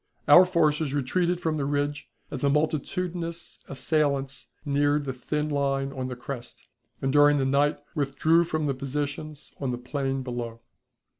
Our forces retreated from the ridge as the multitudinous assailants neared the thin line on the crest, and during the night withdrew from the positions on the plain below.